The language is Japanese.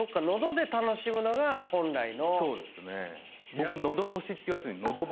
僕。